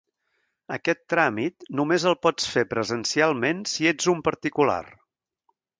Aquest tràmit només el pots fer presencialment si ets un particular.